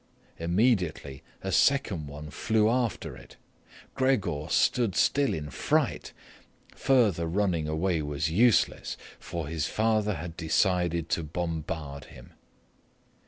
Immediately a second one flew after it. Gregor stood still in fright. Further running away was useless, for his father had decided to bombard him.